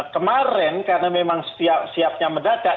kemarin karena memang siapnya mendadak